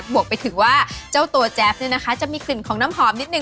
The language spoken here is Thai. วกไปถึงว่าเจ้าตัวแจ๊บเนี่ยนะคะจะมีกลิ่นของน้ำหอมนิดนึ